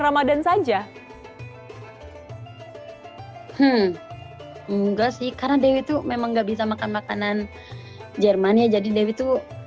ramadhan saja hmm nggak sih karena dewi itu memang nggak bisa makan makanan jerman ya jadi dewi itu